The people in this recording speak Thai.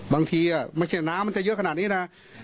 บางทีไม่ใช่น้ำมันจะเยอะขนาดนี้นะ